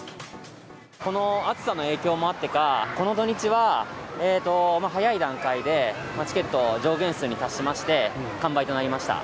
この暑さの影響もあってか、この土日は早い段階でチケット上限数に達しまして、完売となりました。